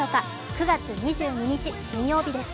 ９月２２日、金曜日です。